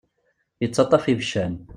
Ittaṭṭaf ibeccan.